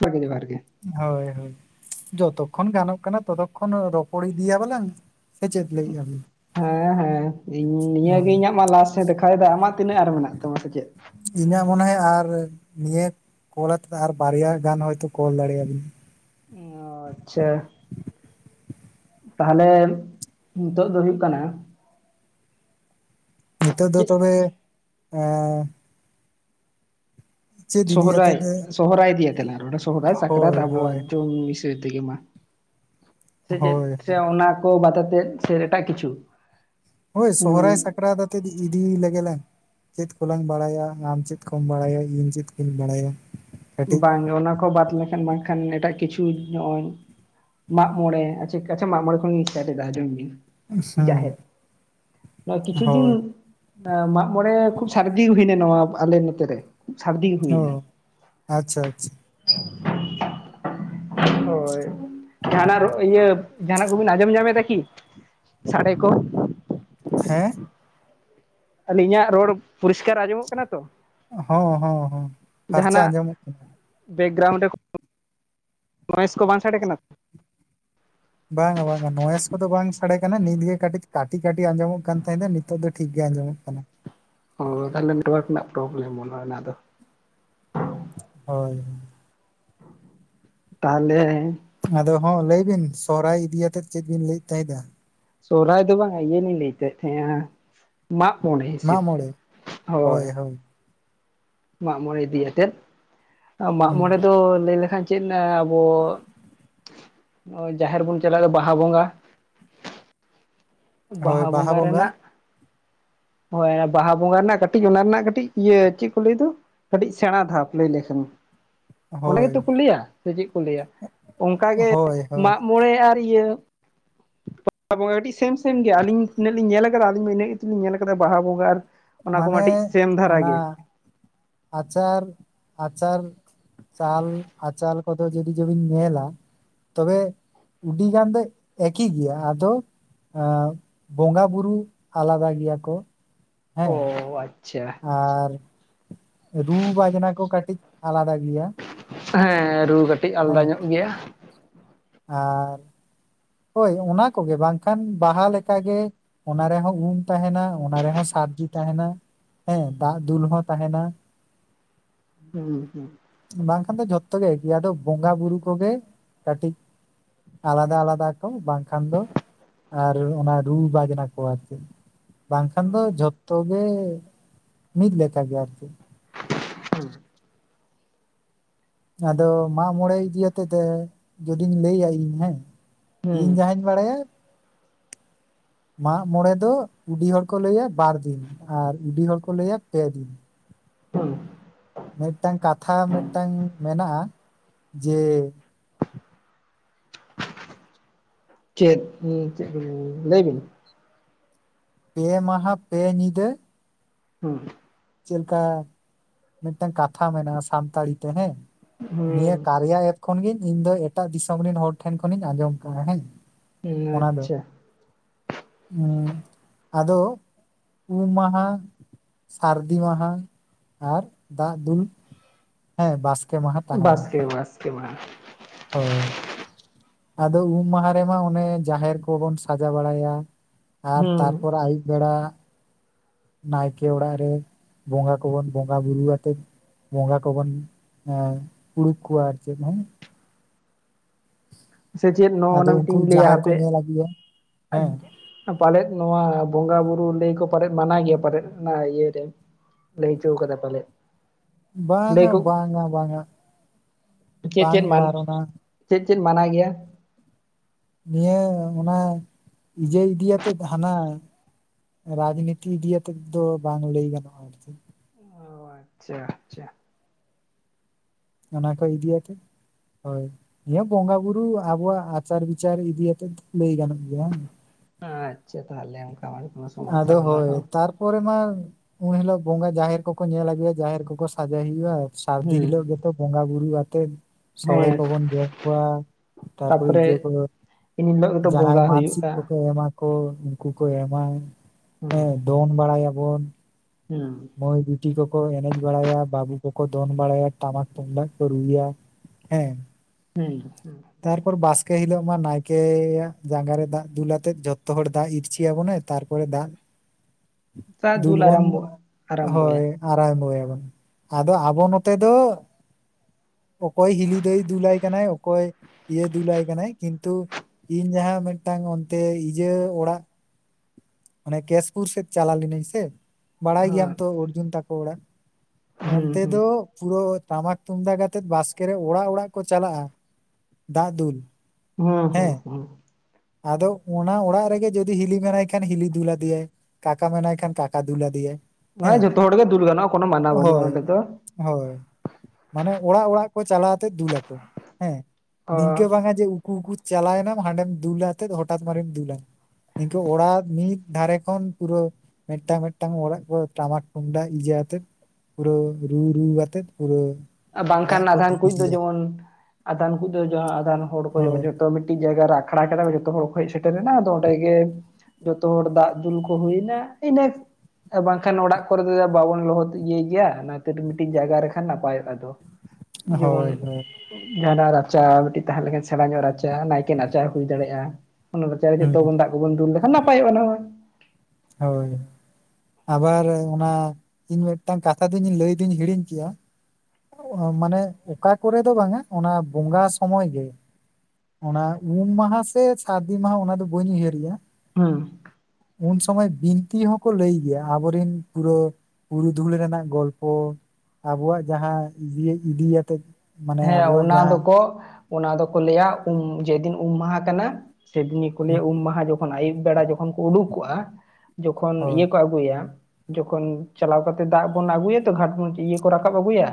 ᱵᱷᱟᱜᱮ ᱡᱚᱦᱟᱨ ᱜᱮ ᱦᱳᱭ ᱦᱳᱭ ᱡᱚᱛᱚᱠᱷᱚᱱ ᱜᱟᱱᱚᱜ ᱠᱟᱱᱟ ᱛᱚᱛᱚᱠᱷᱚᱱ ᱨᱚᱯᱚᱲ ᱤᱫᱤᱭᱟ ᱵᱟᱞᱟᱝ ᱥᱮ ᱪᱮᱫ ᱞᱟᱹᱭ ᱜᱮᱭᱟ ᱵᱤᱱ ᱦᱮᱸ ᱦᱮᱸ ᱤᱧ ᱱᱤᱭᱟᱹ ᱜᱮ ᱦᱳᱭ ᱤᱧᱟᱹᱜ ᱢᱟ ᱞᱟᱥ ᱫᱮᱠᱷᱟᱣ ᱮᱫᱟ ᱟᱢᱟᱜ ᱛᱤᱱᱟᱹᱜ ᱟᱨ ᱢᱮᱱᱟᱜ ᱛᱟᱢᱟ ᱥᱮ ᱪᱮᱫ ᱤᱧᱟᱹᱜ ᱢᱚᱱᱮ ᱦᱚᱭᱚᱜᱼᱟ ᱟᱨ ᱱᱤᱭᱟᱹ ᱯᱳᱨᱮᱛᱮ ᱟᱨ ᱵᱟᱨᱭᱟ ᱜᱟᱱ ᱦᱚᱭᱛᱳ ᱠᱚᱞ ᱫᱟᱲᱮᱭᱟ ᱵᱤᱱᱟ ᱚᱸ ᱟᱪᱪᱷᱟ ᱛᱟᱦᱚᱞᱮ ᱱᱤᱛᱚᱜ ᱫᱚ ᱦᱩᱭᱩᱜ ᱠᱟᱱᱟ ᱱᱤᱛᱳᱜ ᱫᱚ ᱪᱮᱫ ᱛᱚᱵᱮ ᱮᱸ ᱪᱮᱫ ᱥᱚᱨᱦᱟᱭ ᱤᱫᱤᱭᱟᱛᱮᱫ ᱥᱚᱨᱦᱟᱭ ᱫᱤᱭᱮ ᱛᱮᱞᱟᱝ ᱨᱚᱲᱟ ᱥᱚᱨᱦᱟᱭ ᱥᱟᱠᱨᱟᱛ ᱦᱳᱭ ᱦᱳᱭ ᱟᱵᱚᱣᱟᱜ ᱡᱚᱢᱼᱼ [unintelligible] ᱥᱮ ᱪᱮᱫ ᱦᱳᱭ ᱥᱮ ᱦᱳᱭ ᱚᱱᱟ ᱠᱚ ᱵᱟᱫᱟᱛᱮ ᱥᱮ ᱮᱴᱟᱜ ᱠᱤᱪᱷᱩᱼᱼ ᱦᱳᱭ ᱥᱚᱦᱨᱟᱭ ᱥᱟᱠᱨᱟᱛ ᱟᱛᱮ ᱤᱫᱤ ᱞᱮᱜᱮ ᱞᱟᱝ ᱪᱮᱫ ᱠᱚᱞᱟᱝ ᱵᱟᱲᱟᱭᱟ ᱟᱢ ᱪᱮᱫ ᱠᱚᱢ ᱵᱟᱲᱟᱭᱟ ᱤᱧ ᱪᱮᱫ ᱠᱚᱧ ᱵᱟᱲᱟᱭᱟ ᱠᱟᱹᱴᱤᱡ ᱵᱟᱝ ᱚᱱᱟ ᱠᱚ ᱵᱟᱫ ᱞᱮᱠᱷᱟᱱ ᱵᱟᱝ ᱠᱷᱟᱱ ᱮᱴᱟᱜ ᱠᱤᱪᱷᱩ ᱱᱚᱜᱼᱚᱭᱼᱼ ᱢᱟᱜ ᱢᱚᱬᱮ ᱟᱪᱪᱷᱟ ᱟᱪᱪᱷᱟ ᱢᱟᱜ ᱢᱚᱬᱮ ᱠᱷᱚᱱ ᱤᱧ ᱤᱥᱴᱟᱰ ᱫᱟ ᱟᱡᱚᱢ ᱵᱤᱱ ᱡᱟᱦᱮᱨ ᱦᱮᱸ ᱱᱚᱣᱟ ᱠᱤᱪᱷᱩ ᱫᱤᱱᱼᱼ ᱦᱳᱭ ᱢᱟᱜᱢᱚᱬᱮ ᱠᱚ ᱥᱟᱨᱫᱤ ᱦᱩᱭᱱᱟ ᱱᱚᱣᱟ ᱟᱞᱮ ᱱᱚᱛᱮ ᱨᱮ ᱠᱷᱩᱵ ᱥᱟᱹᱨᱫᱤ ᱦᱩᱭᱱᱟ ᱚ ᱟᱪᱪᱷᱟ ᱟᱪᱪᱷᱟᱼᱼ [unintelligible] ᱦᱳᱭ ᱡᱟᱦᱟᱱᱟ [unintelligible] ᱤᱭᱟᱹᱼᱼ ᱡᱟᱦᱟᱱᱟᱜ ᱠᱚᱵᱤᱱ ᱟᱸᱡᱚᱢ ᱧᱟᱢᱮ ᱫᱟᱠᱤ ᱥᱟᱰᱮ ᱠᱚ ᱦᱮᱸ ᱟᱹᱞᱤᱧ ᱤᱧᱟᱹᱜ ᱨᱚᱲᱼᱼ ᱯᱚᱨᱤᱥᱠᱟᱨ ᱟᱸᱡᱚᱢᱚᱜ ᱠᱟᱱᱟ ᱛᱚ? ᱦᱚᱸ ᱦᱚᱸ ᱦᱚᱸ ᱯᱷᱟᱨᱪᱟ ᱡᱟᱦᱟᱱᱟᱜ ᱟᱸᱡᱚᱢᱚᱜ ᱠᱟᱱᱟ ᱵᱮᱠᱜᱨᱟᱣᱩᱱᱰ ᱨᱮ ᱱᱚᱭᱮᱥ ᱠᱚ ᱵᱟᱝ ᱥᱟᱰᱮ ᱠᱟᱱᱟ ᱛᱚ? ᱵᱟᱝᱟ ᱵᱟᱝᱟ ᱱᱚᱭᱮᱥ ᱠᱚᱫᱚ ᱵᱟᱝ ᱥᱟᱰᱮ ᱠᱟᱱᱟ ᱱᱤᱛᱜᱮ ᱠᱟᱹᱴᱤᱡ, ᱠᱟᱹᱴᱤᱡ ᱠᱟᱹᱴᱤᱡ ᱟᱸᱡᱚᱢᱚᱜ ᱠᱟᱱ ᱛᱟᱦᱮᱸᱫᱟ ᱱᱤᱛ ᱱᱤᱛᱚᱜ ᱫᱚ ᱴᱷᱤᱠ ᱜᱮ ᱟᱸᱡᱚᱢᱚᱜ ᱠᱟᱱᱟ ᱾ ᱚᱻ ᱛᱟᱦᱟᱞᱮ ᱱᱮᱴᱣᱟᱨᱠ ᱨᱮᱱᱟᱜ ᱯᱨᱚᱵᱞᱮᱢ ᱚᱱᱟ ᱨᱮᱱᱟᱜ ᱫᱚ ᱾ ᱦᱳᱭ ᱦᱳᱭ ᱾ ᱛᱟᱦᱚᱞᱮ ᱟᱫᱚ ᱦᱚᱸ ᱞᱟᱹᱭ ᱵᱤᱱ ᱥᱚᱦᱚᱨᱟᱭ ᱤᱫᱤᱭᱟᱛᱮᱫ ᱪᱮᱫ ᱵᱤᱱ ᱞᱟᱹᱭᱮᱫ ᱛᱟᱦᱮᱸᱫᱟ? ᱥᱚᱦᱚᱨᱟᱭ ᱫᱚ ᱵᱟᱝ ᱤᱭᱟᱹ ᱞᱤᱧ ᱞᱟᱹᱭ ᱮᱫ ᱛᱟᱦᱮᱱᱟ ᱢᱟᱜ ᱢᱚᱬᱮ ᱦᱤᱥᱤᱫ ᱢᱟᱜ ᱛᱮ ᱢᱚᱬᱮ ᱦᱳᱭ ᱾ ᱢᱟᱜ ᱢᱚᱬᱮ ᱤᱫᱤᱠᱟᱛᱮᱫ ᱢᱟᱜ ᱦᱩᱸ ᱢᱚᱬᱮ ᱫᱚ ᱞᱟᱹᱭ ᱞᱮᱠᱷᱟᱱ ᱪᱮᱫ ᱟᱵᱚ ᱱᱚᱜᱼᱚᱭ ᱡᱟᱦᱮᱨ ᱵᱚᱱ ᱪᱟᱞᱟᱜᱼᱟ ᱵᱟᱦᱟ ᱵᱚᱸᱜᱟ ᱵᱟᱦᱟ ᱵᱚᱸᱜᱟ ᱨᱮᱱᱟᱜ ᱦᱳᱭ ᱚᱱᱟ ᱵᱟᱦᱟ ᱵᱚᱸᱜᱟ ᱨᱮᱱᱟᱜ ᱠᱟᱹᱴᱤᱡ ᱚᱱᱟ ᱨᱮᱱᱟᱜ ᱠᱟᱹᱴᱤᱡ ᱤᱭᱟᱹ ᱪᱮᱫ ᱠᱚ ᱞᱟᱹᱭ ᱫᱚ? ᱠᱟᱹᱴᱤᱡ ᱥᱮᱬᱟ ᱫᱷᱟᱯ ᱞᱟᱹᱭ ᱞᱮᱠᱷᱟᱱ ᱾ ᱚᱱᱰᱮ ᱦᱳᱭ ᱜᱮᱛᱚ ᱠᱩ ᱞᱟᱹᱭᱟ ᱥᱮ ᱪᱮᱫ ᱠᱚ ᱞᱟᱹᱭᱟ ᱚᱱᱠᱟᱜᱮ ᱦᱳᱭ ᱦᱳᱭ ᱢᱟᱜ ᱢᱚᱬᱮ ᱟᱨ ᱤᱭᱟᱹ [inaudible] ᱟᱹᱰᱤ ᱥᱮᱢ ᱥᱮᱱ ᱜᱮ ᱟᱞᱤᱧ ᱛᱤᱱᱟᱹᱜ ᱞᱤᱧ ᱧᱮᱞ ᱟᱠᱟᱫᱟ ᱟᱹᱞᱤᱧ ᱤᱱᱟᱹᱜ ᱜᱤᱛᱩ ᱞᱤᱧ ᱞᱮᱞ ᱟᱠᱟᱫᱟ ᱵᱟᱦᱟ ᱵᱚᱸᱜᱟ ᱟᱨ ᱚᱱᱟ ᱠᱚ ᱢᱟ ᱢᱟᱱᱮ ᱴᱤᱡ ᱥᱮᱢ ᱫᱷᱟᱨᱟ ᱚᱱᱟ ᱜᱮ ᱾ ᱟᱪᱟᱨ ᱟᱪᱟᱨ ᱪᱟᱞ ᱟᱪᱟᱞ ᱠᱚᱫᱚ ᱡᱩᱫᱤ ᱡᱩᱵᱤᱱ ᱧᱮᱞᱟ ᱛᱚᱵᱮ ᱩᱹᱰᱤᱜᱟᱱ ᱫᱚ ᱮᱠᱮ ᱜᱮᱭᱟ ᱟᱫᱚ ᱮᱻ ᱵᱚᱸᱜᱟ ᱵᱩᱨᱩ ᱟᱞᱟᱫᱟ ᱜᱮᱭᱟ ᱠᱚ ᱾ ᱚᱻ ᱟᱪᱪᱷᱟ ᱾ ᱟᱨ ᱨᱩ ᱵᱟᱡᱱᱟ ᱠᱚ ᱠᱟᱹᱴᱤᱡ ᱟᱞᱟᱫᱟ ᱜᱮᱭᱟ᱾ ᱦᱮᱸ ᱨᱩ ᱠᱟᱹᱴᱤᱡ ᱟᱞᱫᱟ ᱦᱮᱸ ᱧᱚᱜ ᱜᱮᱭᱟ ᱾ ᱟᱨ ᱦᱳᱭ ᱚᱱᱟ ᱠᱚᱜᱮ ᱵᱟᱝᱠᱷᱟᱱ ᱵᱟᱦᱟ ᱞᱮᱠᱟ ᱜᱮ ᱚᱱᱟ ᱨᱮᱦᱚᱸ ᱩᱢ ᱛᱟᱦᱮᱱᱟ ᱚᱱᱟ ᱨᱮᱦᱚᱸ ᱥᱟᱨᱫᱤ ᱛᱟᱦᱮᱱᱟ ᱾ ᱦᱮᱸ ᱫᱟᱜ ᱫᱩᱞ ᱦᱚᱸ ᱛᱟᱦᱮᱱᱟ ᱾ ᱦᱩᱸ ᱦᱩᱸ ᱾ ᱵᱟᱝᱠᱷᱟᱱ ᱫᱚ ᱡᱷᱚᱛᱚ ᱮᱠᱤᱜᱮ ᱟᱫᱚ ᱵᱚᱸᱜᱟ ᱵᱩᱨᱩ ᱠᱚᱜᱮ ᱠᱟᱹᱴᱤᱡ ᱟᱞᱟᱫᱟ ᱟᱞᱟᱫᱟ ᱵᱟᱝᱠᱷᱟᱱ ᱫᱚ ᱟᱨ ᱚᱱᱟ ᱨᱩ ᱵᱟᱡᱽᱱᱟ ᱠᱚ ᱟᱨ ᱪᱮᱫ ᱾ ᱵᱟᱝᱠᱷᱟᱱ ᱫᱚ ᱡᱷᱚᱛᱚ ᱜᱮ ᱢᱤᱫ ᱞᱮᱠᱟ ᱜᱮ ᱟᱨᱠᱤ‌ ᱾ ᱦᱩᱸ ᱾ ᱟᱫᱚ ᱢᱟᱜ-ᱢᱚᱬᱮ ᱤᱫᱤᱭᱟᱛᱮᱜ ᱛᱮ ᱡᱩᱫᱤᱧ ᱞᱟᱹᱭᱟ ᱤᱧ ᱦᱮᱸ ᱦᱩᱸ ᱤᱧ ᱡᱟᱦᱟᱸᱧ ᱵᱟᱲᱟᱭᱟ ᱾ [unintelligible] ᱢᱟᱜᱢᱚᱬᱮ ᱫᱚ ᱩᱰᱤ ᱦᱚᱲ ᱠᱚ ᱞᱟᱹᱭᱟ ᱵᱟᱨᱫᱤᱱ ᱟᱨ ᱚᱰᱤ ᱦᱚᱲ ᱠᱚ ᱞᱟᱹᱭᱟ ᱯᱮ ᱫᱤᱱ᱾ ᱦᱮᱸ ᱾ ᱢᱤᱫᱴᱟᱝ ᱠᱟᱛᱷᱟ ᱢᱤᱫᱴᱟᱝ ᱢᱮᱱᱟᱜᱼᱟ ᱡᱮ ᱪᱮᱫ ᱚᱸ ᱪᱮᱫ ᱠᱚ ᱞᱟᱹᱭᱟ ᱞᱟᱹᱭ ᱵᱤᱱ? ᱯᱮ ᱢᱟᱦᱟ ᱯᱮ ᱧᱤᱫᱟ ᱦᱩᱸ ᱾ ᱪᱮᱫ ᱞᱮᱠᱟ ᱢᱤᱫᱴᱟᱝ ᱠᱟᱛᱷᱟ ᱢᱮᱱᱟᱜᱼᱟ ᱥᱟᱱᱛᱟᱲᱤ ᱛᱮ ᱦᱮᱸ᱾ ᱦᱩᱸ ᱱᱤᱭᱟᱹ ᱠᱟᱨᱤᱭᱟ ᱮᱯ ᱠᱷᱚᱱ ᱜᱤ ᱤᱧ ᱫᱚ ᱮᱴᱟᱜ ᱫᱤᱥᱚᱢ ᱨᱮᱱ ᱦᱚᱲ ᱴᱷᱮᱱ ᱠᱷᱚᱱᱤᱧ ᱟᱸᱡᱚᱢ ᱟᱠᱟᱜᱼᱟ ᱦᱮᱸ ᱚᱱᱟ ᱫᱚ ᱾ ᱟᱪᱪᱷᱟ ᱦᱮᱸ ᱟᱫᱚ ᱩᱢ ᱢᱟᱦᱟ ᱥᱟᱨᱫᱤ ᱢᱟᱦᱟ ᱟᱨ ᱫᱟᱜ ᱫᱩᱞ ᱾ ᱦᱮᱸ ᱵᱟᱥᱠᱮ ᱢᱟᱦᱟ ᱾ ᱵᱟᱥᱠᱮ ᱵᱟᱥᱠᱮ ᱢᱟᱦᱟ ᱾ ᱦᱳᱭ ᱾ ᱟᱫᱚ ᱩᱢ ᱢᱟᱦᱟ ᱨᱮᱢᱟ ᱚᱱᱮ ᱡᱟᱦᱮᱨ ᱠᱚᱵᱚᱱ ᱥᱟᱡᱟᱣ ᱵᱟᱲᱟᱭᱟ ᱾ ᱟᱨ ᱦᱩᱸ ᱛᱟᱨᱯᱚᱨ ᱟᱹᱭᱩᱵ ᱵᱮᱲᱟ ᱱᱟᱭᱠᱮ ᱚᱲᱟᱜ ᱨᱮ ᱵᱚᱸᱜᱟ ᱠᱚᱵᱚᱱ ᱵᱚᱸᱜᱟ ᱵᱩᱨᱩ ᱟᱛᱮᱜ ᱵᱚᱸᱜᱟ ᱠᱚᱵᱚᱱ ᱩᱲᱩᱠ ᱠᱚᱣᱟ ᱟᱨ ᱪᱮᱫ ᱦᱮᱸ ᱾ ᱥᱮ ᱪᱮᱫ ᱱᱚᱜ ᱟᱫᱚ ᱚᱱᱟ ᱩᱱᱠᱩ ᱢᱤᱫᱴᱮᱡᱧ ᱞᱟᱹᱭᱟ ᱦᱟᱯᱮ [unintelligible] ᱦᱮᱸ ᱯᱟᱞᱮᱫ ᱱᱚᱣᱟ ᱵᱚᱸᱜᱟ ᱵᱩᱨᱩ ᱞᱟᱹᱭ ᱠᱚ ᱯᱟᱞᱮᱫ ᱢᱟᱱᱟᱣ ᱜᱮᱭᱟ ᱯᱟᱞᱮᱫ ᱚᱱᱟ ᱤᱭᱟᱹ ᱨᱮ ᱾ ᱞᱟᱹᱭ ᱪᱚ ᱠᱟᱫᱟ ᱯᱟᱞᱮᱫ ᱾ ᱵᱟᱝᱼᱟ, ᱵᱟᱝᱼᱟ ᱵᱟᱝᱼᱟ, ᱪᱮᱫ ᱵᱟᱝ ᱪᱮᱫ ᱢᱟᱱ ᱵᱟᱨᱚᱱᱟ ᱾ ᱪᱮᱫ ᱪᱮᱫ ᱢᱟᱱᱟ ᱜᱮᱭᱟ? ᱱᱤᱭᱟᱹ ᱚᱱᱟ ᱤᱭᱟᱹ ᱤᱫᱤ ᱟᱛᱮᱫ ᱦᱟᱱᱟ ᱨᱟᱡᱽᱱᱤᱛᱤ ᱤᱫᱤᱭᱟ ᱛᱮᱫ ᱫᱚ ᱵᱟᱝ ᱞᱟᱹᱭ ᱜᱟᱱᱚᱜᱼᱟ ᱟᱨᱠᱤ᱾ ᱚ ᱟᱪᱪᱷᱟ, ᱟᱪᱪᱷᱟ ᱾ ᱚᱱᱟ ᱠᱚ ᱤᱫᱤ ᱟᱛᱮᱜ ᱾ ᱦᱳᱭ ᱱᱤᱭᱟᱹ ᱵᱚᱸᱜᱟ ᱵᱩᱨᱩ ᱟᱵᱚᱣᱟᱜ ᱟᱪᱟᱨ ᱵᱤᱪᱟᱨ ᱤᱫᱤ ᱟᱛᱮᱫ ᱫᱚ ᱞᱟᱹᱭ ᱜᱟᱱᱚᱜ ᱜᱮᱭᱟ ᱾ ᱟᱪᱪᱷᱟ ᱛᱟᱦᱚᱞᱮ ᱚᱱᱠᱟ [inaudible] ᱟᱫᱚ ᱵᱟᱹᱱᱩᱜᱼᱟ ᱦᱳᱭ ᱛᱟᱨ ᱯᱚᱨᱮ ᱢᱟ ᱩᱱ ᱦᱤᱞᱳᱜ ᱵᱚᱸᱜᱟ ᱡᱟᱦᱮᱨ ᱠᱚᱠᱚ ᱧᱮᱞ ᱟᱹᱜᱩᱭᱟ, ᱡᱟᱦᱮᱨ ᱠᱚᱠᱚ ᱥᱟᱡᱟᱭ ᱦᱩᱭᱩᱜᱼᱟ᱾ ᱥᱟᱹᱨᱫᱤ ᱦᱩᱸ ᱦᱤᱞᱳᱜ ᱜᱮᱛᱚ ᱵᱚᱸᱜᱟ ᱵᱩᱨᱩ ᱟᱛᱮᱫ ᱥᱚᱲᱮ ᱦᱮᱸ ᱠᱚᱵᱚᱱ ᱡᱚᱢ ᱠᱚᱣᱟ ᱛᱟᱨᱯᱚᱨᱮ ᱛᱟᱯᱚᱨᱮ ᱤᱭᱟᱹ ᱠᱚ ᱮᱱ ᱦᱤᱞᱳᱜ ᱜᱮᱛᱚ ᱡᱟᱦᱟᱸᱭ ᱵᱚᱸᱜᱟ ᱢᱟᱱᱥᱤᱠ ᱦᱩᱭᱩᱜᱼᱟ ᱠᱚᱠᱚ ᱮᱢᱟ ᱠᱚ ᱩᱱᱠᱩ ᱠᱚ ᱮᱢᱟ ᱾ ᱦᱮᱸ ᱫᱚᱱ ᱵᱟᱲᱟᱭ ᱟᱵᱚᱱ ᱾ ᱦᱩᱸ ᱾ ᱢᱟᱹᱭ ᱵᱤᱴᱤ ᱠᱚᱠᱚ ᱮᱱᱮᱡ ᱵᱟᱲᱟᱭᱟ, ᱵᱟᱹᱵᱩ ᱠᱚᱠᱚ ᱫᱚᱱ ᱵᱟᱲᱟᱭᱟ ᱴᱟᱢᱟᱠ ᱛᱩᱢᱫᱟᱜ ᱠᱚ ᱨᱩᱭᱟ᱾ ᱦᱮᱸ ᱾ ᱦᱩᱸ, ᱦᱩᱸ᱾ ᱛᱟᱨᱯᱚᱨ ᱵᱟᱥᱠᱮ ᱦᱤᱞᱳᱜ ᱢᱟ ᱱᱟᱭᱠᱮᱭᱟᱜ ᱡᱟᱸᱜᱟ ᱨᱮ ᱫᱟᱜ ᱫᱩᱞ ᱟᱛᱮᱜ ᱡᱷᱚᱛᱚ ᱦᱚᱲ ᱫᱟᱜ ᱤᱨᱪᱤ ᱟᱵᱚᱱᱟᱜ ᱾ ᱛᱟᱨᱯᱚᱨᱮ ᱫᱟᱜ ᱫᱟᱜ ᱫᱩᱞ ᱟᱨᱟᱢᱵᱚ ᱟᱜ ᱟᱨᱟᱢᱵᱚᱭᱟ ᱟᱨᱟᱢᱵᱚᱭ ᱟᱵᱚᱱ ᱟᱫᱚ ᱟᱵᱚ ᱱᱚᱛᱮ ᱫᱚ ᱚᱠᱚᱭ ᱦᱤᱞᱤ ᱫᱟᱹᱭ ᱫᱩᱞᱟᱭ ᱠᱟᱱᱟᱭ, ᱚᱠᱚᱭ ᱤᱭᱟᱹ ᱫᱩᱞᱟᱭ ᱠᱟᱱᱟᱭ ᱠᱤᱱᱛᱩ ᱤᱧ ᱡᱟᱦᱟᱸ ᱢᱤᱫᱴᱟᱝ ᱚᱱᱛᱮ ᱤᱭᱟᱹ ᱚᱲᱟᱜ ᱢᱟᱱᱮ ᱠᱮᱥᱯᱩᱨ ᱥᱮᱫ ᱪᱟᱞᱟᱣ ᱞᱮᱱᱟᱹᱧ ᱥᱮ ᱵᱟᱲᱟᱭ ᱜᱮᱭᱟᱢ ᱦᱮᱸ ᱛᱚ ᱚᱨᱡᱩᱱ ᱛᱟᱠᱚ ᱚᱲᱟᱜ, ᱦᱩᱸ ᱚᱱᱛᱮ ᱦᱩᱸ ᱫᱚ ᱯᱩᱨᱟᱹ ᱴᱟᱢᱟᱠ ᱛᱩᱢᱫᱟᱜ ᱠᱟᱛᱮᱜ ᱵᱟᱥᱠᱮ ᱨᱮ ᱚᱲᱟᱜ, ᱚᱲᱟᱜ ᱠᱚ ᱪᱟᱞᱟᱜᱼᱟ᱾ ᱫᱟᱜ ᱫᱩᱞ ᱦᱩᱸ ᱦᱩᱸ ᱦᱮᱸ ᱦᱩᱸ ᱾ ᱟᱫᱚ ᱚᱱᱟ ᱚᱲᱟᱜ ᱨᱮᱜᱮ ᱡᱚᱫᱤ ᱦᱤᱞᱤ ᱢᱮᱱᱟᱭ ᱠᱷᱟᱱ ᱦᱤᱞᱤ ᱫᱩᱞ ᱟᱫᱮᱭᱟᱭ ᱾ ᱠᱟᱠᱟ ᱢᱮᱱᱟᱭ ᱠᱷᱟᱱ ᱠᱟᱠᱟ ᱫᱩᱞ ᱟᱫᱤᱭᱟ. ᱾ ᱢᱟᱱᱮ ᱡᱷᱚᱛᱚ ᱦᱚᱲ ᱜᱮ ᱫᱩᱞ ᱜᱟᱱᱚᱜᱼᱟ ᱠᱚᱱᱳ ᱢᱟᱱᱟ ᱵᱟᱹᱱᱩᱜ-ᱟ ᱦᱳᱭ ᱚᱸᱰᱮ ᱫᱚ᱾ ᱦᱳᱭ, ᱢᱟᱱᱮ ᱚᱲᱟᱜ ᱚᱲᱟᱜ ᱠᱚ ᱪᱟᱞᱟᱣ ᱟᱛᱮᱜ ᱫᱩᱞᱟᱠᱚ᱾ ᱦᱮᱸ, ᱱᱤᱝᱠᱟᱹ ᱚ ᱵᱟᱝᱟ ᱡᱮ ᱩᱠᱩ ᱩᱠᱩ ᱪᱟᱞᱟᱣ ᱮᱱᱟᱢ ᱦᱟᱸᱰᱮᱢ ᱫᱩᱞ ᱟᱛᱮᱫ ᱦᱚᱴᱟᱛ ᱢᱟᱨᱤᱢ ᱫᱩᱞᱟ ᱱᱤᱝᱠᱟᱹ ᱚᱲᱟᱜ ᱢᱤᱫ ᱫᱷᱟᱨᱮ ᱠᱷᱚᱱ ᱯᱩᱨᱟᱹ ᱢᱤᱫᱴᱟᱝ ᱢᱤᱫᱴᱟᱝ ᱚᱲᱟᱜ ᱠᱚ ᱴᱟᱢᱟᱠ ᱴᱩᱢᱰᱟᱜ ᱤᱭᱟᱹ ᱟᱛᱮᱫ ᱯᱩᱨᱟᱹ ᱨᱩ ᱨᱩᱭᱟᱛᱮᱫ ᱯᱩᱨᱟᱹ ᱟ ᱫᱟᱜ ᱵᱟᱝᱠᱷᱟᱱ ᱠᱚ ᱟᱫᱷᱟᱱ ᱫᱩᱞ ᱠᱩᱡ ᱫᱚ ᱤᱫᱤᱭᱟ ᱡᱮᱢᱚᱱ ᱟᱫᱷᱟᱱ ᱠᱩᱡᱫᱚ ᱡᱚ ᱟᱫᱷᱟᱱ ᱦᱚᱲ ᱠᱚ ᱡᱚᱱ ᱦᱳᱭ ᱡᱷᱚᱛᱚ ᱢᱤᱫᱴᱤᱡ ᱡᱟᱭᱜᱟ ᱟᱠ ᱟᱠᱷᱲᱟ ᱠᱮᱫᱟ ᱠᱚ ᱡᱷᱚᱛᱚ ᱦᱚᱲ ᱠᱚ ᱦᱮᱡ ᱥᱮᱴᱮᱨ ᱮᱱᱟ ᱟᱫᱚ ᱚᱸᱰᱮ ᱜᱮ ᱡᱚᱛᱚ ᱦᱚᱲ ᱫᱟᱜ ᱫᱩᱞ ᱠᱚ ᱦᱩᱭᱱᱟ ᱤᱱᱟᱹ ᱵᱟᱝᱠᱷᱟᱱ ᱚᱲᱟᱜ ᱠᱚᱨᱮ ᱫᱚ ᱵᱟᱵᱚᱱ ᱞᱚᱦᱚᱫ ᱤᱭᱟᱹᱭ ᱜᱮᱭᱟ ᱚᱱᱟ ᱠᱷᱟᱹᱤᱨ ᱢᱤᱫᱴᱤᱡ ᱡᱟᱭᱜᱟ ᱨᱮᱠᱷᱟᱱ ᱱᱟᱯᱟᱭᱚᱜᱼᱟ᱾ ᱫᱚ ᱡᱮᱢᱚᱱ ᱦᱳᱭ ᱦᱳᱭ ᱡᱟᱦᱟᱱᱟᱜ ᱨᱟᱪᱟ ᱢᱤᱫᱴᱤᱡ ᱛᱟᱦᱮᱸ ᱞᱮᱠᱷᱟᱱ ᱥᱮᱬᱟ ᱧᱚᱜ ᱨᱟᱪᱟ ᱱᱟᱭᱠᱮ ᱱᱟᱪᱟ ᱨᱮ ᱦᱩᱭ ᱫᱟᱲᱮᱭᱟᱜᱼᱟ᱾ ᱚᱱᱟ ᱨᱟᱪᱟ ᱨᱮ ᱦᱩᱸ ᱡᱷᱚᱛᱚ ᱵᱚᱱ ᱫᱟᱜ ᱠᱚᱵᱚᱱ ᱫᱩᱞ ᱞᱮᱠᱷᱟᱱ ᱱᱟᱯᱟᱭᱚᱜᱼᱟ ᱚᱱᱟ ᱢᱟ᱾ ᱦᱳᱭ, ᱟᱵᱟᱨ ᱚᱱᱟ ᱤᱧ ᱢᱤᱫᱴᱟᱝ ᱠᱟᱛᱷᱟ ᱫᱩᱧ ᱞᱟᱹᱭ ᱫᱩᱧ ᱦᱤᱲᱤᱧ ᱠᱮᱜᱼᱟ᱾ ᱚ ᱢᱟᱱᱮ ᱚᱠᱟ ᱠᱚᱨᱮ ᱫᱚ ᱵᱟᱝᱟ ᱚᱱᱟ ᱵᱚᱸᱜᱟ ᱥᱚᱢᱚᱭ ᱜᱮ ᱾ ᱚᱱᱟ ᱩᱢ ᱢᱟᱦᱟ ᱥᱮ ᱥᱟᱨᱫᱤ ᱢᱟᱦᱟ ᱚᱱᱟ ᱫᱚ ᱵᱟᱹᱧ ᱩᱭᱦᱟᱹᱨ ᱮᱭᱟ ᱾ ᱦᱩᱸ ᱾ ᱩᱱ ᱥᱚᱢᱚᱭ ᱵᱤᱱᱛᱤ ᱦᱚᱸᱠᱚ ᱞᱟᱹᱭ ᱜᱮᱭᱟ ᱟᱵᱚᱨᱮᱱ ᱯᱩᱨᱟᱹ ᱯᱩᱨᱩᱫᱷᱩᱞᱹ ᱨᱮᱱᱟᱜ ᱜᱚᱞᱯᱚ ᱟᱵᱚᱣᱟᱜ ᱡᱟᱦᱟᱸ ᱤᱭᱟ ᱤᱫᱤᱟᱛᱮᱫ ᱦᱮᱸ ᱚᱱᱟ ᱫᱚᱠᱚ ᱚᱱᱟ ᱫᱚᱠᱚ ᱞᱟᱹᱭᱟ ᱩᱢ, ᱡᱮᱫᱤᱱ ᱩᱢ ᱢᱟᱦᱟ ᱠᱟᱱᱟ ᱥᱮᱫᱤᱱ ᱜᱮᱠᱚ ᱞᱟᱹᱭᱟ ᱦᱩᱸ ᱩᱢ ᱢᱟᱦᱟ ᱡᱚ ᱠᱷᱚᱱ ᱟᱹᱭᱩᱵ ᱵᱮᱲᱟ ᱡᱚᱠᱷᱚᱱ ᱠᱚ ᱩᱰᱩᱠᱚᱜᱼᱟ ᱡᱚᱠᱷᱚᱱ ᱤᱭᱟᱹ ᱦᱳᱭ ᱠᱚ ᱟᱹᱜᱩᱭᱟ ᱡᱚᱠᱷᱚᱱ ᱪᱟᱞᱟᱣ ᱠᱟᱛᱮ ᱫᱟᱜ ᱵᱚᱱ ᱟᱹᱜᱩᱭᱟ ᱛᱚ ᱜᱷᱟᱴ ᱵᱚᱱ ᱤᱭᱟᱹ ᱠᱚ ᱨᱟᱠᱟᱵ ᱟᱹᱜᱩᱭᱟ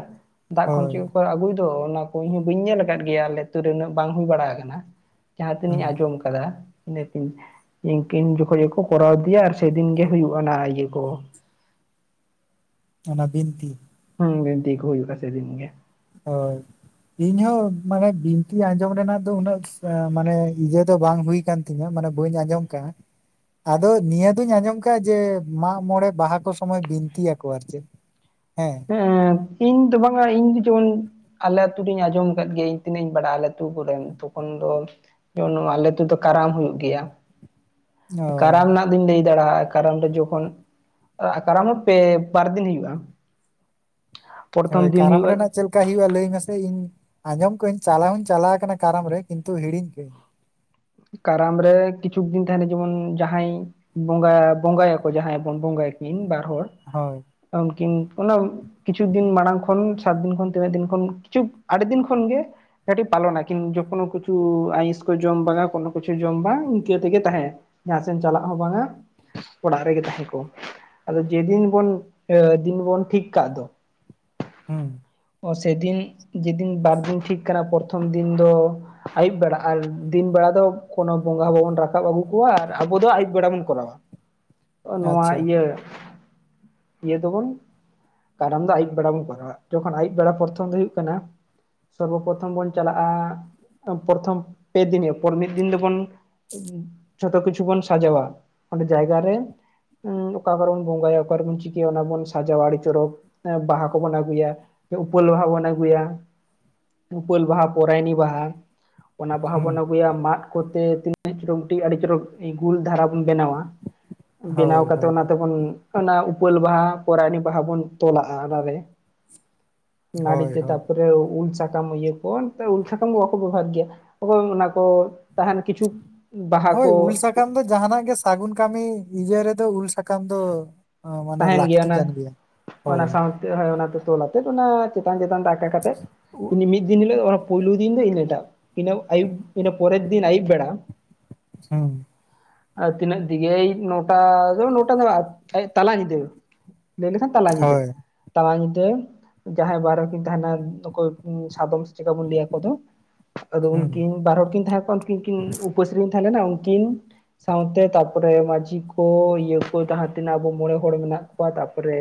ᱫᱟᱜ ᱠᱷᱚᱱ ᱦᱳᱭ ᱪᱮᱫ ᱠᱚ ᱟᱹᱜᱩᱭ ᱫᱚ ᱚᱱᱟ ᱠᱚ ᱤᱧ ᱦᱚᱸ ᱵᱟᱹᱧ ᱧᱮᱞ ᱟᱠᱟᱫ ᱜᱮᱭᱟ, ᱟᱞᱮ ᱟᱛᱩ ᱨᱮ ᱩᱱᱟᱹᱜ ᱵᱟᱝ ᱦᱩᱭ ᱵᱟᱲᱟ ᱟᱠᱟᱱᱟ ᱾ ᱡᱟᱦᱟᱸ ᱛᱤᱱᱟᱹᱜ ᱦᱩᱸ ᱤᱧ ᱟᱸᱡᱚᱢ ᱟᱠᱟᱫᱟ, ᱤᱱᱟᱹᱠᱤᱱ ᱤᱝᱠᱤᱱ ᱡᱚᱠᱷᱚᱡ ᱜᱮᱠᱚ ᱠᱚᱨᱟᱣ ᱤᱫᱤᱭᱟ ᱟᱨ ᱥᱮᱫᱤᱱ ᱜᱮ ᱦᱩᱭᱩᱜᱼᱟ ᱚᱱᱟ ᱤᱭᱟᱹ ᱠᱚ ᱾ ᱚᱱᱟ ᱵᱤᱱᱛᱤ ᱾ ᱦᱩᱸ, ᱵᱤᱱᱛᱤ ᱠᱚ ᱦᱩᱭᱩᱜᱼᱟ ᱥᱮᱫᱤᱱ ᱜᱮ ᱾ ᱦᱳᱭ ᱾ ᱤᱧᱦᱚ ᱢᱟᱱᱮ ᱵᱤᱱᱛᱤ ᱟᱸᱡᱚᱢ ᱨᱮᱱᱟᱜ ᱫᱚ ᱩᱱᱟᱹᱜ ᱢᱟᱱᱮ ᱤᱭᱟᱹ ᱫᱚ ᱵᱟᱝ ᱦᱩᱭ ᱠᱟᱱ ᱛᱤᱧᱟᱹ, ᱢᱟᱱᱮ ᱵᱟᱹᱧ ᱟᱸᱡᱚᱢ ᱠᱟᱜᱼᱟ ᱾ ᱟᱫᱚ ᱱᱤᱭᱟᱹ ᱫᱩᱧ ᱟᱸᱡᱚᱢ ᱟᱠᱟᱜᱼᱟ ᱡᱮ ᱢᱟᱜ ᱢᱚᱬᱮ ᱵᱟᱦᱟ ᱠᱚ ᱥᱚᱢᱚᱭ ᱵᱤᱱᱛᱤᱭᱟᱠᱚ ᱟᱨ ᱪᱮᱫ ᱾ ᱦᱮᱸ ᱾ ᱦᱮᱸ, ᱤᱧ ᱫᱚ ᱵᱟᱝᱟ ᱤᱧ ᱫᱚ ᱡᱮᱢᱚᱱ ᱟᱞᱮ ᱟᱛᱩ ᱨᱮᱧ ᱟᱸᱡᱚᱢ ᱟᱠᱟᱫ ᱜᱮ ᱤᱧ ᱛᱤᱱᱟᱹᱜ ᱤᱧ ᱵᱟᱲᱟᱜ ᱟᱞᱮ ᱟᱹᱛᱩ ᱠᱚᱨᱮ ᱛᱚᱠᱷᱚᱱ ᱫᱚ ᱡᱮᱢᱚᱱ ᱱᱚᱣᱟ ᱟᱞᱮ ᱟᱛᱩ ᱫᱚ ᱠᱟᱨᱟᱢ ᱦᱩᱭᱩᱜ ᱜᱮᱭᱟ, ᱚ ᱠᱟᱨᱟᱢ ᱨᱮᱱᱟᱜ ᱫᱚᱧ ᱞᱟᱹᱭ ᱫᱟᱲᱟᱭᱟᱜᱼᱟ, ᱠᱟᱨᱟᱢ ᱫᱚ ᱡᱚᱠᱷᱚᱱ ᱠᱟᱨᱟᱢ ᱦᱚᱸ ᱯᱮ ᱵᱟᱨ ᱫᱤᱱ ᱦᱩᱭᱩᱜᱼᱟ ᱾ ᱯᱨᱚᱛᱷᱚᱢ ᱫᱤᱱ ᱦᱩᱭᱩᱜᱼᱟ ᱠᱟ ᱦᱩᱭᱩᱜᱼᱟ ᱞᱟᱹᱭ ᱢᱮᱥᱮ ᱤᱧ ᱟᱸᱡᱚᱢ ᱠᱟᱜ ᱟᱹᱧ ᱪᱟᱞᱟᱣ ᱦᱚᱸᱧ ᱪᱟᱞᱟᱣ ᱠᱟᱱᱟ ᱠᱟᱱᱟ ᱠᱟᱨᱟᱢ ᱨᱮ ᱠᱤᱱᱛᱩ ᱦᱤᱲᱤᱧ ᱠᱟᱹᱜᱼᱟᱹᱧ ᱾ ᱠᱟᱨᱟᱢ ᱨᱮ ᱠᱤᱪᱷᱩ ᱵᱤᱱ ᱛᱟᱦᱮᱱᱟ ᱡᱮᱢᱚᱱ ᱡᱟᱦᱟᱸᱭ ᱵᱚᱸᱜᱟ ᱵᱚᱸᱜᱟ ᱭᱟᱠᱚ ᱡᱟᱦᱟᱸᱭ ᱵᱚᱱ ᱵᱚᱸᱜᱟᱭᱠᱤᱱ ᱵᱟᱨ ᱦᱚᱲ᱾ ᱦᱳᱭ᱾ ᱟᱢ ᱠᱤᱱ ᱚᱱᱟ᱾ ᱠᱤᱪᱷᱩ ᱫᱤᱱ ᱢᱟᱲᱟᱝ ᱠᱷᱚᱱ ᱥᱟᱛ ᱫᱤᱱ ᱠᱷᱚᱱ ᱛᱤᱱᱟᱹᱜ ᱫᱤᱱ ᱠᱷᱚᱱ ᱠᱤᱪᱷᱩ ᱟᱹᱰᱤ ᱫᱤᱱ ᱠᱷᱚᱱ ᱜᱮ᱾ ᱥᱮᱴ ᱯᱟᱞᱚᱱᱟ ᱠᱤᱱᱛᱩ ᱡᱚᱠᱷᱳ ᱠᱤᱪᱩ ᱟᱭᱤᱥᱠᱚ ᱡᱚᱢ ᱵᱟᱜᱟᱱ᱾ ᱠᱚᱱᱳ ᱠᱤᱪᱷᱩ ᱡᱚᱢ ᱵᱟᱝ ᱤᱱᱠᱟᱹ ᱛᱮᱜᱮ ᱛᱟᱦᱮᱸ ᱡᱟᱦᱟᱸ ᱥᱮᱫ ᱪᱟᱞᱟᱜ ᱦᱚᱸ ᱵᱟᱝᱟ᱾ ᱚᱲᱟᱜ ᱨᱮᱜᱮ ᱛᱟᱦᱮᱸ ᱠᱚᱜ᱾ ᱟᱫᱚ ᱡᱮ ᱫᱤᱱ ᱵᱚᱱ ᱫᱤᱱ ᱵᱚᱱ ᱴᱷᱤᱠ ᱠᱟᱜ ᱫᱚ᱾ ᱦᱩᱸ᱾ ᱚ ᱥᱮ ᱫᱤᱱ᱾ ᱡᱮᱫᱤᱱ ᱵᱟᱨᱫᱤᱱ ᱴᱷᱤᱠ ᱠᱟᱱᱟ ᱯᱚᱛᱷᱚᱢ ᱫᱤᱱ ᱫᱚ ᱟᱹᱭᱩᱵ ᱵᱮᱲᱟ ᱟᱨ ᱫᱤᱱ ᱵᱮᱲᱟ ᱫᱚ᱾ ᱠᱚᱱᱳ ᱵᱚᱸᱜᱟ ᱵᱟᱵᱚᱱ ᱨᱟᱠᱟᱵ ᱟᱹᱜᱩ ᱠᱚᱣᱟ ᱟᱨ ᱟᱵᱚ ᱫᱚ ᱟᱹᱭᱩᱵ ᱵᱮᱲᱟ ᱵᱚᱱ ᱠᱚᱨᱟᱣᱟ᱾ ᱱᱚᱣᱟ ᱟᱪᱪᱷᱟ ᱤᱭᱟᱹ ᱤᱭᱟᱹ ᱫᱚᱵᱚᱱ᱾ ᱠᱟᱨᱚᱱ ᱫᱚ ᱟᱹᱭᱩᱵ ᱵᱮᱲᱟ ᱵᱚᱱ ᱠᱚᱨᱟᱣᱟ ᱡᱚᱠᱷᱚᱱ ᱟᱹᱭᱩᱵ ᱵᱮᱲᱟ ᱯᱨᱛᱷᱚᱢ ᱫᱚ ᱦᱩᱭᱩᱜ ᱠᱟᱱᱟ᱾ ᱥᱚᱨᱵᱚ ᱯᱨᱚᱛᱷᱚᱢ ᱵᱚᱱ ᱪᱟᱞᱟᱜᱼᱟ ᱯᱨᱚᱛᱷᱚᱢ ᱯᱮ ᱫᱤᱱᱯᱚᱨ ᱢᱤᱫ ᱫᱤᱱ ᱫᱚᱵᱚᱱ᱾ ᱡᱷᱚᱛᱚ ᱠᱤᱪᱷᱩ ᱵᱚᱱ ᱥᱟᱡᱟᱣᱟ ᱚᱰᱮ ᱡᱟᱭᱜᱟ ᱨᱮ᱾ ᱚᱠᱟᱨᱮᱵᱚᱱ ᱵᱚᱸᱜᱟᱭᱟ ᱚᱠᱟᱨᱵᱚᱱ ᱪᱤᱠᱟᱹᱭᱟ ᱚᱱᱟ ᱵᱚᱱ ᱥᱟᱡᱟᱣᱟ ᱟᱹᱰᱤ ᱪᱚᱨᱚᱠ ᱵᱟᱦᱟ ᱠᱚᱵᱚᱱ ᱟᱹᱜᱩᱭᱟ᱾ ᱩᱯᱟᱹᱞ ᱵᱟᱦᱟ ᱵᱚᱱ ᱟᱹᱜᱩᱭᱟ ᱩᱯᱟᱹᱞ ᱵᱟᱦᱟ ᱯᱚᱨᱟᱭᱱᱤ ᱵᱟᱦᱟ᱾ ᱚᱱᱟ ᱵᱟᱦᱟ ᱦᱩᱸ ᱵᱚᱱ ᱟᱹᱜᱩᱭᱟ ᱢᱟᱜ᱾ ᱛᱤᱱᱟᱹᱜ ᱪᱚᱨᱚᱠ ᱢᱤᱫ ᱟᱹᱰᱤ ᱪᱚᱨᱚᱠ ᱜᱩᱞ ᱫᱷᱟᱨᱟ ᱵᱚᱱ ᱵᱮᱱᱟᱣᱟ ᱵᱮᱱᱟᱣ ᱦᱳᱭ ᱠᱟᱛᱮ ᱦᱳᱭ ᱚᱱᱟ᱾ ᱵᱚᱱ ᱚᱱᱟ ᱩᱯᱟᱹᱞ ᱵᱟᱦᱟ ᱯᱚᱨᱟᱱᱤ ᱵᱟᱦᱟ ᱵᱚᱱ ᱛᱚᱞᱟᱜᱼᱟ ᱚᱱᱟᱨᱮ᱾ ᱦᱳᱭ ᱱᱟᱲᱤᱛᱮ ᱦᱳᱭ ᱛᱟᱨᱯᱚᱨᱮ ᱩᱞ ᱥᱟᱠᱟᱢ ᱤᱭᱟᱹ᱾ ᱩᱞ ᱥᱟᱠᱟᱢ ᱵᱟᱠᱚ ᱵᱮᱵᱚᱦᱟᱨ ᱜᱮᱭᱟ ᱚᱠᱚᱭ ᱚᱱᱟ ᱠᱚ ᱛᱟᱦᱮᱱ ᱠᱤᱪᱷᱩ᱾ ᱵᱟᱦᱟ ᱦᱳᱭ ᱠᱚ ᱩᱞ ᱥᱟᱠᱟᱢ ᱫᱚ ᱡᱟᱦᱱᱟᱜ ᱜᱮ ᱥᱟᱹᱜᱩᱱ ᱠᱟᱹᱢᱤ ᱤᱭᱟᱹ ᱨᱮᱫᱚ ᱩᱞ ᱥᱟᱠᱟᱢ ᱫᱚ᱾ ᱢᱟᱱᱮ ᱛᱟᱦᱮᱱ ᱞᱟᱹᱠᱛᱤ ᱚᱱᱟ ᱠᱟᱱ ᱜᱮᱭᱟ ᱦᱳᱭ᱾ ᱚᱱᱟ ᱛᱚᱞᱟᱛᱮᱫ ᱚᱱᱟ ᱪᱮᱛᱟᱱ ᱪᱮᱛᱟᱱ ᱫᱟᱠᱟ ᱟᱠᱟ ᱠᱟᱛᱮᱫ ᱢᱤᱫ ᱫᱤᱱ ᱦᱤᱞᱳᱜ᱾ ᱯᱩᱭᱞᱩ ᱫᱤᱱ ᱫᱚ ᱤᱱᱟᱹᱴᱟᱜ ᱤᱱᱟᱹ ᱟᱭᱩᱵ ᱫᱚ ᱤᱱᱟᱹ ᱯᱚᱨᱮᱨ ᱫᱤᱱ ᱟᱭᱩᱵ ᱵᱮᱲᱟ᱾ [inaudible] ᱟᱨ ᱛᱤᱱᱟᱹᱜ ᱫᱤᱜᱮ ᱱᱚᱴᱟ ᱫᱚ ᱱᱚᱴᱟ ᱫᱚ᱾ ᱛᱟᱞᱟ ᱧᱤᱫᱟᱹ ᱞᱟᱹᱭ ᱞᱮᱠᱷᱟᱱ ᱛᱟᱞᱟ ᱧᱤᱫᱟᱹ ᱦᱳᱭ ᱛᱟᱞᱟ ᱧᱤᱫᱟᱹ᱾ ᱡᱟᱦᱟᱸᱭ ᱵᱟᱨᱦᱚᱲ ᱠᱤᱱ ᱛᱟᱦᱮᱱᱟ ᱚᱠᱚᱭ ᱥᱟᱫᱚᱢ ᱥᱮ ᱪᱤᱠᱟ ᱵᱚᱱ ᱞᱟᱹᱭ ᱟᱠᱚ ᱫᱚ᱾ ᱟᱫᱚ ᱦᱩᱸ ᱩᱱᱠᱤᱱ ᱵᱟᱨ ᱦᱚᱲ ᱠᱤᱱ ᱛᱟᱦᱮᱸ ᱠᱚᱜ ᱩᱱᱠᱤᱱ ᱠᱤᱱ ᱩᱯᱟᱹᱥ ᱨᱮ ᱠᱤᱱ ᱛᱟᱦᱮᱸᱞᱮᱱᱟ ᱩᱱᱠᱤᱱ᱾ ᱥᱟᱶᱛᱮ ᱛᱟᱯᱚᱨᱮ ᱢᱟᱹᱡᱷᱤ ᱠᱚ ᱤᱭᱟᱹ ᱠᱚ ᱡᱟᱦᱟᱸ ᱛᱤᱱᱟᱹᱜ? ᱟᱵᱚ ᱢᱚᱬᱮ ᱦᱚᱲ ᱢᱮᱱᱟᱜ ᱠᱚᱣᱟ ᱛᱟᱯᱚᱨᱮ᱾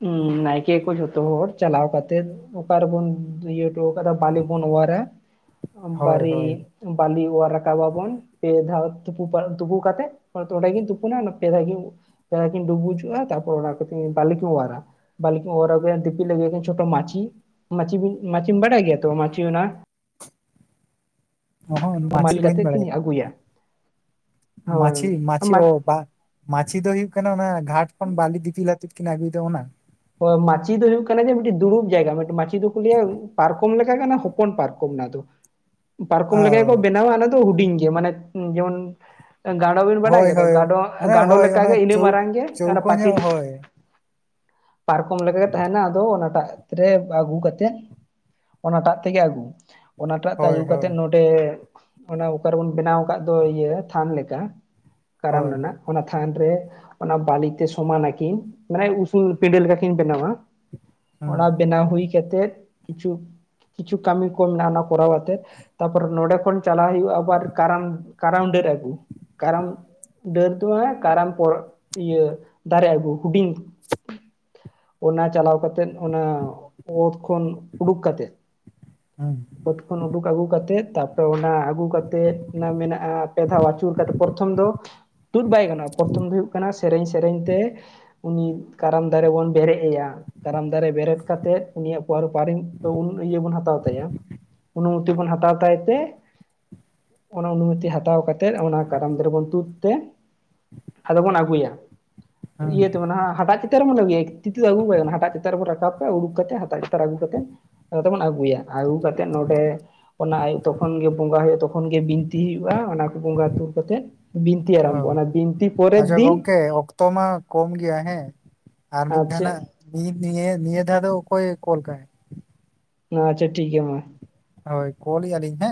ᱦᱩᱸ ᱱᱟᱭᱠᱮ ᱠᱚ ᱡᱷᱚᱛᱚ ᱦᱚᱲ ᱪᱟᱞᱟᱣ ᱠᱟᱛᱮᱜ ᱫᱚ᱾ ᱚᱠᱟᱨᱮᱵᱚᱱ ᱤᱭᱟᱹ ᱚᱴᱚ ᱟᱠᱟᱫᱟ ᱵᱟᱞᱤ ᱵᱚᱱ ᱚᱣᱟᱨ-ᱟ ᱦᱳᱭ ᱵᱟᱨᱤ? ᱦᱳᱭ ᱵᱟᱞᱤ ᱚᱣᱟᱨ ᱨᱟᱠᱟᱵ ᱟᱵᱚᱱ ᱯᱮ ᱫᱷᱟᱣ ᱛᱩᱯᱩ ᱛᱩᱯᱩ ᱠᱟᱛᱮᱜ᱾ ᱚᱸᱰᱮ ᱠᱤᱱ ᱛᱩᱯᱩᱱᱟ ᱯᱮᱫᱷᱟ ᱠᱤᱱ ᱯᱮᱫᱷᱟᱠᱤᱱ ᱰᱩᱵᱩᱡᱚᱜ-ᱟ ᱛᱟᱨᱯᱚᱨ ᱚᱱᱟ ᱠᱚᱛᱮ ᱵᱟᱹᱞᱤ ᱠᱤᱱ ᱚᱣᱟᱨᱟ᱾ ᱵᱟᱞᱤ ᱠᱤᱱ ᱚᱣᱟᱨ ᱟᱹᱜᱩᱭᱟ ᱫᱤᱯᱤᱞ ᱟᱹᱜᱩᱭᱟᱠᱤᱱ ᱪᱷᱳᱴᱳ ᱢᱟᱹᱪᱤ᱾ ᱢᱟᱹᱪᱤᱢ ᱵᱤᱱ ᱢᱪᱤᱢ ᱵᱟᱰᱟᱭ ᱜᱮᱭᱟ ᱛ ᱢᱟᱹᱪᱤ ᱚᱱᱟ? ᱚᱦᱚᱸ ᱦᱟᱢᱟᱞ ᱢᱟᱹᱪᱷᱤ ᱠᱟᱛᱮ ᱠᱤᱱ ᱟᱹᱜᱩᱭᱟ᱾ ᱦᱳᱭ ᱢᱟᱹᱪᱤ ᱢᱟᱹᱪᱤ ᱚ ᱦᱳᱭ ᱵᱟ᱾ ᱢᱟᱹᱪᱤ ᱫᱚ ᱦᱩᱭᱩᱜ ᱠᱟᱱᱟ ᱚᱱᱟ ᱜᱷᱟᱴ ᱠᱷᱚᱱ ᱵᱟᱞᱤ ᱫᱤᱯᱤᱞ ᱟᱛᱮᱫ ᱠᱤᱱ ᱟᱹᱜᱩᱭ ᱫᱚ ᱚᱱᱟ᱾ ᱢᱟᱹᱪᱤ ᱫᱚ ᱦᱩᱭᱩᱜ ᱠᱟᱱᱟ ᱡᱮ ᱢᱤᱫᱴᱤᱡ ᱫᱩᱲᱩᱵ ᱡᱟᱭᱜᱟ ᱢᱤᱫᱴ ᱢᱟᱪᱤ ᱫᱚᱠᱚ ᱞᱟᱹᱭᱟ ᱯᱟᱨᱠᱚᱢ ᱞᱮᱠᱟ ᱠᱟᱱᱟ ᱦᱚᱯᱚᱱ ᱯᱟᱨᱠᱚᱢ ᱚᱱᱟ ᱫᱚ᱾ ᱯᱟᱨᱠᱚᱢ ᱞᱮᱠᱟ ᱜᱮᱠᱚ ᱚ ᱵᱮᱱᱟᱣᱟ ᱚᱱᱟ ᱫᱚ ᱦᱩᱰᱤᱧ ᱜᱮ ᱢᱟᱱᱮ ᱡᱮᱢᱚᱱ ᱜ᱾ ᱟᱵᱤᱱ ᱵᱟᱰᱟᱭ ᱦᱳᱭ ᱜᱮᱫᱚ ᱦᱳᱭ ᱜᱟᱸᱰᱳ ᱟᱜ ᱢᱟᱱᱮ ᱜᱟᱸᱰᱚ ᱦᱳᱭ ᱞᱮᱠᱟ ᱚᱱᱟ ᱜᱮ ᱤᱱᱟᱹ ᱪᱳ ᱢᱟᱨᱟᱝ ᱜᱮ ᱚᱱᱟ ᱪᱳᱣᱠᱳ ᱯᱟᱪᱤᱼᱼ ᱧᱚᱜ ᱦᱳᱭ ᱯᱟᱨᱠᱚᱢ ᱞᱮᱠᱟ ᱜᱮ ᱛᱟᱦᱮᱱᱟ ᱟᱫᱚ ᱚᱱᱟᱴᱟᱜ ᱨᱮ ᱟᱹᱜᱩ ᱠᱟᱛᱮᱫ ᱚᱱᱟᱴᱟᱜ ᱛᱮᱜᱮ ᱟᱹᱜᱩ ᱚᱱᱟᱴᱟᱜ ᱛᱮ ᱦᱳᱭ ᱟᱹᱜᱩ ᱦᱳᱭ ᱠᱟᱛᱮᱫ ᱱᱚᱼᱼ ᱛᱮ ᱚᱱᱟ ᱚᱠᱟ ᱨᱮᱵᱚᱱ ᱵᱮᱱᱟᱣ ᱟᱠᱟᱫ ᱫᱚ ᱤᱭᱟᱹ ᱛᱷᱟᱱ ᱞᱮᱠᱟ ᱠᱟᱨᱟᱢ ᱦᱳᱭ ᱨᱮᱱᱟᱜᱼᱼ ᱚᱱᱟ ᱛᱷᱟᱱ ᱨᱮ ᱚᱱᱟ ᱵᱟᱞᱤ ᱛᱮ ᱥᱚᱢᱟᱱ ᱟᱠᱤᱱ ᱢᱟᱱᱮ ᱩᱥᱩᱞᱼᱼ ᱯᱤᱰᱟᱹ ᱞᱮᱠᱟ ᱠᱤᱱ ᱵᱮᱱᱟᱣ-ᱟ ᱦᱩᱸ ᱚᱱᱟ ᱵᱮᱱᱟᱣ ᱦᱩᱭ ᱠᱟᱛᱮᱫ ᱠᱤᱪᱷᱩᱼᱼ ᱠᱤᱪᱷᱩ ᱠᱟᱹᱢᱤ ᱠᱚ ᱢᱮᱱᱟᱜᱼᱟ ᱚᱱᱟ ᱠᱚᱨᱟᱣ ᱟᱛᱮᱼᱼ ᱛᱟᱨᱯᱚᱨ ᱱᱚᱰᱮ ᱠᱷᱚᱱ ᱪᱟᱞᱟᱣ ᱦᱩᱭᱩᱜᱼᱟ ᱟᱵᱟᱨ ᱠᱟᱨᱟᱢ ᱠᱟᱨᱟᱢ ᱰᱟᱹᱨ ᱟᱹᱜᱩ ᱠᱟᱨᱟᱢᱼᱼ ᱰᱟᱹᱨ ᱫᱚ ᱦᱟᱸᱜ ᱠᱟᱨᱟᱢ ᱯᱚᱨ ᱤᱭᱟᱹ ᱫᱟᱨᱮ ᱟᱹᱜᱩ ᱦᱩᱰᱤᱧᱼᱼ ᱚᱱᱟ ᱪᱟᱞᱟᱣ ᱠᱟᱛᱮᱫ ᱚᱱᱟ ᱚᱛ ᱠᱷᱚᱱ ᱩᱰᱩᱠ ᱠᱟᱛᱮᱫ ᱦᱩᱸ ᱚᱛ ᱠᱷᱚᱱ ᱩᱰᱩᱠ ᱟᱹᱜᱩ ᱠᱟᱛᱮᱜ ᱛᱟᱯᱚᱨ ᱚᱱᱟ ᱟᱹᱜᱩ ᱠᱟᱛᱮᱜ ᱚᱱᱟ ᱢᱮᱱᱟᱜᱼᱟ ᱯᱮ ᱫᱷᱟᱣ ᱟᱹᱪᱩᱨ ᱠᱟᱛᱮ ᱯᱨᱚᱛᱷᱚᱢ ᱫᱚ ᱛᱩᱫ ᱵᱟᱭ ᱜᱟᱱᱚᱜᱼᱟ ᱯᱨᱚᱛᱷᱚᱢ ᱫᱚ ᱦᱩᱭᱩᱜ ᱠᱟᱱᱟ ᱥᱮᱨᱮᱧ ᱥᱮᱨᱮᱧ ᱛᱮ ᱩᱱᱤ ᱠᱟᱨᱟᱢᱼᱼ ᱫᱟᱨᱮ ᱵᱚᱱ ᱵᱮᱨᱮᱫ ᱮᱭᱟ ᱠᱟᱨᱟᱢ ᱫᱟᱨᱮ ᱵᱮᱨᱮᱫ ᱠᱟᱛᱮᱫ ᱩᱱᱤᱭᱟᱜ ᱯᱚᱨ ᱯᱟᱨᱤᱢ ᱫᱚ ᱩᱱ ᱤᱭᱟᱹ ᱵᱚᱱ ᱦᱟᱛᱟᱣ ᱛᱟᱭᱟ ᱚᱱᱩᱢᱩᱛᱤ ᱵᱚᱱ ᱦᱟᱛᱟᱣ ᱛᱟᱭ ᱛᱮ ᱚᱱᱟ ᱚᱱᱩᱢᱩᱛᱤ ᱦᱟᱛᱟᱣ ᱠᱟᱛᱮᱫ ᱚᱱᱟ ᱠᱟᱨᱟᱢ ᱫᱟᱨᱮ ᱵᱚᱱ ᱛᱩᱫ ᱛᱮᱼᱼ ᱟᱫᱚ ᱵᱚᱱ ᱟᱹᱜᱩᱭᱟ ᱦᱩᱸ ᱤᱭᱟᱹ ᱛᱮ [unintelligible] ᱦᱟᱴᱟᱜᱼᱼ ᱪᱮᱛᱟᱨ ᱨᱮ ᱵᱚᱱ ᱟᱹᱜᱩᱭᱟ ᱛᱤ ᱛᱮ ᱟᱹᱜᱩ ᱵᱟᱭ ᱜᱟᱱᱚᱜᱼᱟ ᱦᱟᱴᱟᱜ ᱪᱮᱛᱟᱱ ᱨᱮᱵᱚ ᱨᱟᱠᱟᱵ ᱯᱮ ᱩᱰᱩᱠ ᱠᱟᱛᱮ ᱦᱟᱴᱟᱜ ᱪᱮᱛᱟᱱ ᱟᱹᱜᱩ ᱠᱟᱛᱮᱫᱼᱼ [unintelligible] ᱵᱚᱱ ᱟᱹᱜᱩᱭᱟ ᱟᱹᱜᱩ ᱠᱟᱛᱮᱫ ᱱᱚᱰᱮᱼᱼ ᱚᱱᱟ ᱟᱭᱩᱵ ᱛᱚᱠᱷᱚᱱ ᱜᱮ ᱵᱚᱸᱜᱟ ᱦᱳᱭᱳᱜ ᱛᱚᱠᱷᱚᱱ ᱜᱮ ᱵᱤᱱᱛᱤ ᱦᱩᱭᱩᱜᱼᱟ ᱚᱱᱟ ᱠᱚ ᱵᱚᱸᱜᱟ ᱛᱩᱫ ᱠᱟᱛᱮᱜᱼᱼ ᱵᱤᱱᱛᱤ ᱟᱨᱟᱢᱵᱚᱜ-ᱟ ᱦᱳᱭ ᱚᱱᱟ ᱵᱤᱱᱛᱤ ᱯᱚᱨᱮᱨ ᱟᱪᱪᱷᱟ ᱫᱤᱱᱼᱼ ᱜᱚᱝᱠᱮ ᱚᱠᱛᱚ ᱢᱟ ᱠᱚᱢ ᱜᱮᱭᱟ ᱦᱮᱸ ᱟᱨ ᱢᱤᱫ ᱫᱷᱟᱣ ᱱᱟᱜ ᱱᱤ ᱱᱤᱭᱟᱹ ᱱᱤᱭᱟᱹ ᱫᱷᱟᱣ ᱫᱚ ᱚᱠᱚᱭ ᱠᱚᱞ ᱠᱟᱜ-ᱟᱭ ᱱᱚᱣᱟ ᱟᱪᱪᱷᱟ ᱴᱷᱤᱠ ᱜᱮᱭᱟ ᱢᱟ ᱦᱳᱭ ᱠᱚᱞ ᱮᱜ-ᱟ ᱞᱤᱧ ᱦᱮᱸ